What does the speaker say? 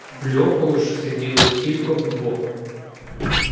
В льоху ж сиділи тілько вдвох.